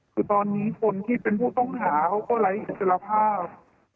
คือตอนนี้คนที่เป็นผู้ต้องหาเขาก็ไร้อิสระภาพ